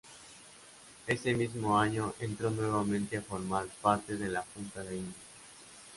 Ese mismo año entró nuevamente a formar parte de la Junta de Indias.